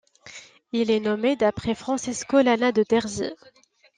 Il est nommé d'après Francesco Lana de Terzi.